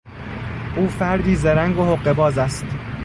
او فردی زرنگ و حقهباز است.